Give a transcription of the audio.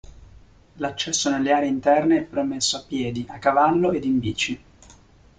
L'accesso nelle aree interne è permesso a piedi, a cavallo ed in bici.